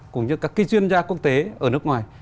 cũng như các chuyên gia quốc tế ở nước ngoài